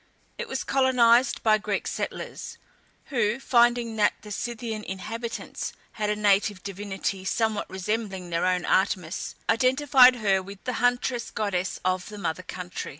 It was colonized by Greek settlers, who, finding that the Scythian inhabitants had a native divinity somewhat resembling their own Artemis, identified her with the huntress goddess of the mother country.